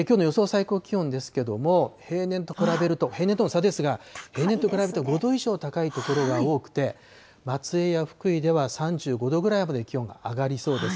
最高気温ですけれども、平年と比べると、平年との差ですが、平年と比べて５度以上高い所が多くて、松江や福井では３５度ぐらいまで気温が上がりそうです。